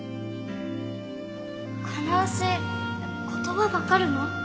この牛言葉わかるの？